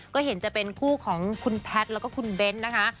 ก็เห็นจะเป็นคู่ของคุณแพทย์แล้วก็คุณเบ้นนะคะ